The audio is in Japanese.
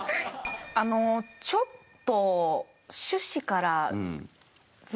あのちょっと。